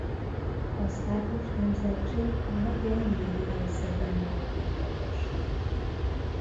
Az Ákos nemzetség a megye nyíri részében volt birtokos.